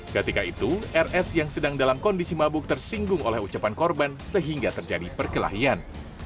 ketika itu rs yang sedang dalam kondisi mabuk tersinggung oleh ucapan korban sehingga terjadi perkelahian